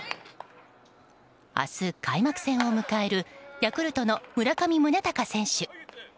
明日、開幕戦を迎えるヤクルトの村上宗隆選手。